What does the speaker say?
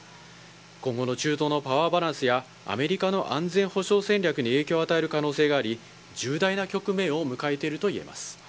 今後の中東のパワーバランスや、アメリカの安全保障戦略に影響を与える可能性があり、重大な局面を迎えているといえます。